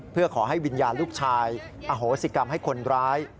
เพื่อขอให้วิญญาณลูกชายอโหสิกรรมให้คนร้าย